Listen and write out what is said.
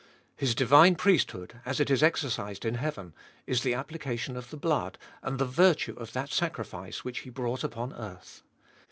His divine priesthood, as it is exercised in heaven, is the application of the blood and the virtue of that sacrifice which He brought upon earth.